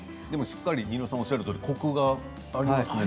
新納さんがおっしゃるとおりコクがありますね